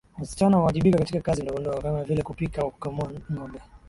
Wasichana huwajibika katika kazi ndogondogo kama vile kupika na kukamua ngombe